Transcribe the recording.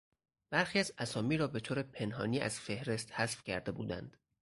برخی از اسامی را به طور پنهانی از فهرست حذف کرده بودند.